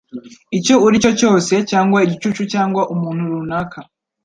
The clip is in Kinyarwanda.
icyo uri cyo cyose cyangwa igicucu cyangwa umuntu runaka